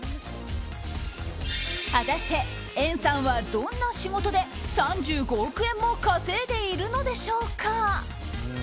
果たして、エンさんはどんな仕事で３５億円も稼いでいるのでしょうか。